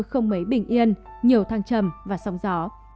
không mấy bình yên nhiều thăng trầm và sóng gió